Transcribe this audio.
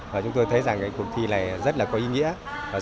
và chúng tôi thấy rằng cuộc thi này rất là có ý nghĩa